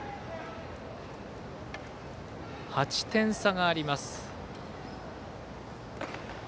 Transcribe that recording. ８点差があります。